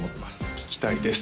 聴きたいです！